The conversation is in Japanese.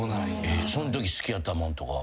そのとき好きやったもんとか。